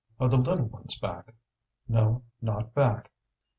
"Are the little ones back?" "No, not back."